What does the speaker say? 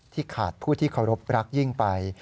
ขาดผู้ที่เคารพรักยิ่งไป